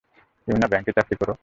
তুমি না ব্যাংকে চাকরি করো?